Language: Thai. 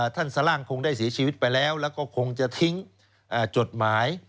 สล่างคงได้เสียชีวิตไปแล้วแล้วก็คงจะทิ้งจดหมาย